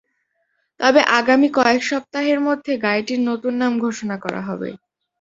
তবে আগামী কয়েক সপ্তাহের মধ্যে গাড়িটির নতুন নাম ঘোষণা করা হবে।